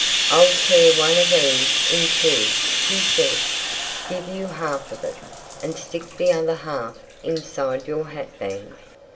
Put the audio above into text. "I'll tear one of these in two," he said, "give you half of it, and stick the other half inside your hatband.